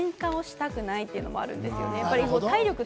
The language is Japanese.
出来ればけんかをしたくないというのもあるんですよね。